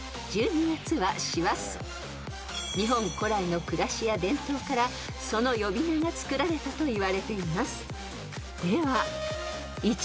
［日本古来の暮らしや伝統からその呼び名がつくられたといわれています］